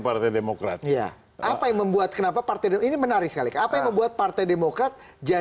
partai demokrat ya apa yang membuat kenapa partai dan ini menarik sekali apa yang membuat partai demokrat